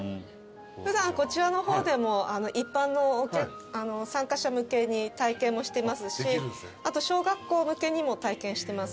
普段こちらの方でも一般の参加者向けに体験もしてますしあと小学校向けにも体験してます。